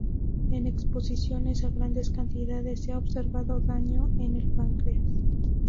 En exposiciones a grandes cantidades se ha observado daño en el páncreas.